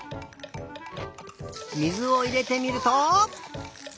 水をいれてみると。